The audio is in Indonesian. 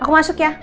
aku masuk ya